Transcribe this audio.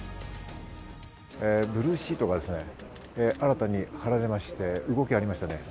ブルーシートが新たに貼られまして、動きがありましたね。